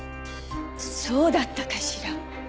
そうだったかしら？